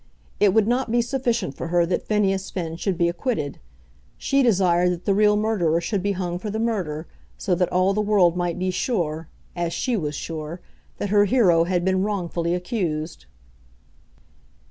It would not be sufficient for her that Phineas Finn should be acquitted. She desired that the real murderer should be hung for the murder, so that all the world might be sure, as she was sure, that her hero had been wrongfully accused.